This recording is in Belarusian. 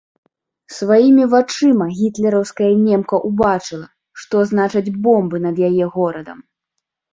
Сваімі вачыма гітлераўская немка ўбачыла, што значаць бомбы над яе горадам.